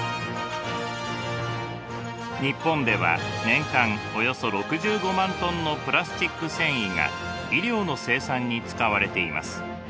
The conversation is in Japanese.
日本では年間およそ６５万ｔのプラスチック繊維が衣料の生産に使われています。